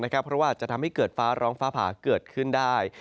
เพราะว่าจะทำให้เกิดฟ้าร้องฟ้าผ่าเกิดขึ้นได้